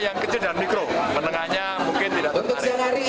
yang kecil dan mikro menengahnya mungkin tidak tertarik